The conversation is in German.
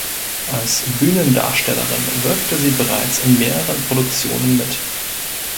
Als Bühnendarstellerin wirkte sie bereits in mehreren Produktionen mit.